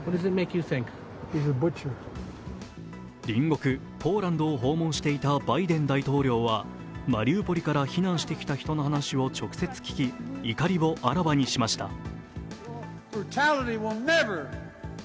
隣国ポーランドを訪問していたバイデン大統領はマリウポリから避難してきた人の話を直接聞き、怒りをあらわにしました。